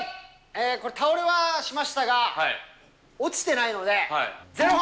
これ、倒れはしましたが、落ちてないので、０本。